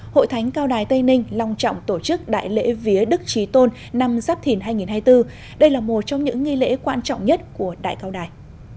hội thánh cao đài tây ninh long trọng tổ chức đại lễ vía đức trí tôn năm giáp thìn hai nghìn hai mươi bốn đây là một trong những nghi lễ quan trọng nhất của đại cao đài